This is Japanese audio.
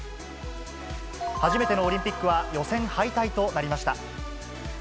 初めてのオリンピックは予選敗退となりました。